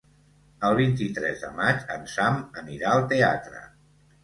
El vint-i-tres de maig en Sam anirà al teatre.